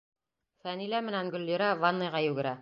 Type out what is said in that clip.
Фәнилә менән Гөллирә ванныйға йүгерә.